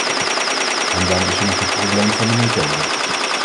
En dan is er nog het probleem van de methode.